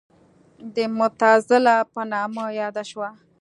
د معتزله په نامه یاده شوه.